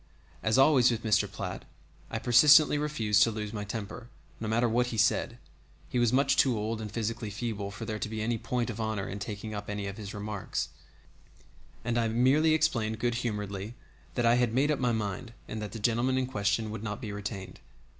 As always with Mr. Platt, I persistently refused to lose my temper, no matter what he said he was much too old and physically feeble for there to be any point of honor in taking up any of his remarks and I merely explained good humoredly that I had made up my mind and that the gentleman in question would not be retained.